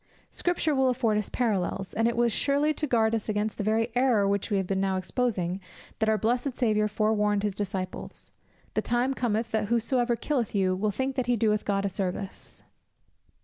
Scripture will afford us parallels; and it was surely to guard us against the very error which we have been now exposing, that our blessed Saviour forewarned his disciples: "The time cometh, that whosoever killeth you will think that he doeth God service."